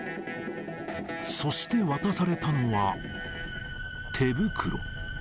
そして渡されたのは手袋。